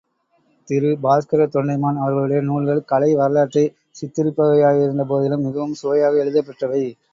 திரு பாஸ்கரத் தொண்டைமான் அவர்களுடைய நூல்கள் கலை வரலாற்றை சித்திரிப்பவையாயிருந்த போதிலும் மிகவும் சுவையாக எழுதப் பெற்றவை.